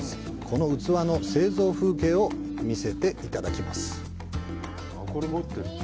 この器の製造風景を見せていただきます。